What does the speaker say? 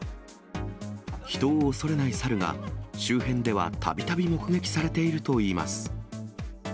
人を恐れない猿が、周辺ではたびたび目撃されているといいます。